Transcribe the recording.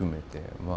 まあ